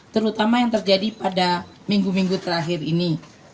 terutama yang terjadi pada minggu minggu terakhir ini